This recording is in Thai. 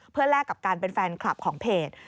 เพื่อแลกกับการเป็นแฟนคลับของเพจ